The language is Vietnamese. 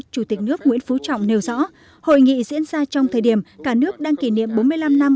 chủ tịch nước nguyễn phú trọng nêu rõ hội nghị diễn ra trong thời điểm cả nước đang kỷ niệm bốn mươi năm năm